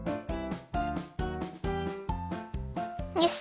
よし。